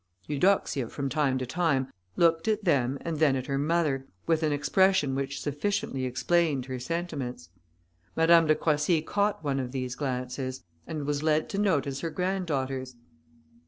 Eudoxia, from time to time, looked at them, and then at her mother, with an expression which sufficiently explained her sentiments. Madame de Croissy caught one of these glances, and was led to notice her granddaughters.